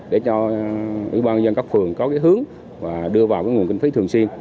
để cho ủy ban nhân dân các phường có hướng đưa vào nguồn kinh phí thường xuyên